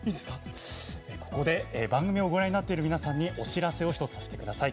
ここで番組をご覧くださっている皆さんにお知らせをさせてください。